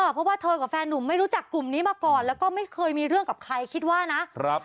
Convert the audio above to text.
เพราะว่าเธอกับแฟนหนุ่มไม่รู้จักกลุ่มนี้มาก่อนแล้วก็ไม่เคยมีเรื่องกับใครคิดว่านะ